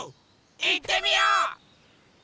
いってみよう！